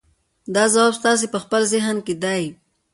دا ځواب ستاسې په خپل ذهن کې دی.